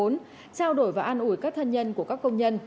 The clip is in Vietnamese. trao đổi và an ủi các thân nhân của các công nhân